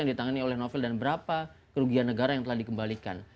yang ditangani oleh novel dan berapa kerugian negara yang telah dikembalikan